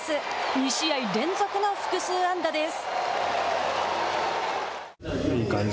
２試合連続の複数安打です。